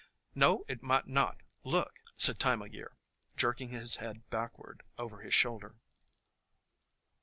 "No, it might not: look!" said Time o' Year, jerking his head backward over his shoulder.